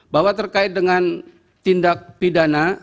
bahwa terkait dengan tindak pidana